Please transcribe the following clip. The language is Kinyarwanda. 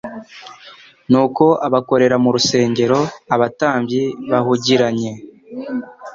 Nuko abakorera mu rusengero, abatambyi bahugiranye,